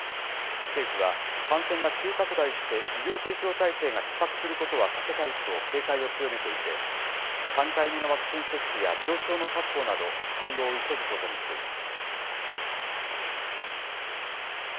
政府は、感染が急拡大して医療提供体制がひっ迫することは避けたいと警戒を強めていて、３回目のワクチン接種や病床の確保など、対応を急ぐことにしています。